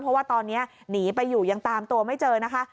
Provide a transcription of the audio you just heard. เพราะว่าตอนนี้หนีไปอยู่ยังตามตัวไม่เจอนะคะ